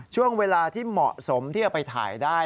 ช่วงเวลาที่เหมาะสมที่จะไปถ่ายได้